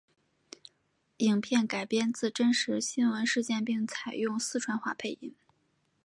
影片改编自真实新闻事件并采用四川话配音。